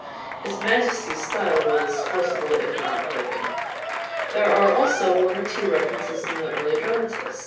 His Majesty's style was forcible, if not elegant. There are also one or two references in the early dramatists.